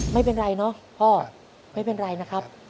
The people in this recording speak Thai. ไม่เป็นไรเนอะพ่อไม่เป็นไรนะครับ